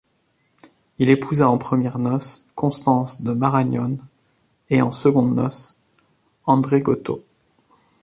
Il épousa en premières noces Constance de Marañón et en secondes noces Andregoto.